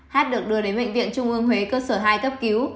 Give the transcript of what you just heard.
hát được đưa đến bệnh viện trung ương huế cơ sở hai cấp cứu